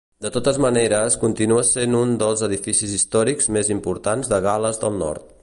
De totes maneres, continua sent un dels edificis històrics més importants de Gal·les del Nord.